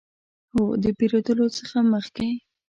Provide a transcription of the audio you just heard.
هو، د پیرودلو څخه مخکې